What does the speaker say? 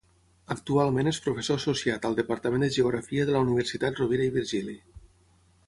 Actualment és professor associat al Departament de Geografia de la Universitat Rovira i Virgili.